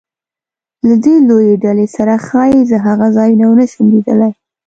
له دې لویې ډلې سره ښایي زه هغه ځایونه ونه شم لیدلی.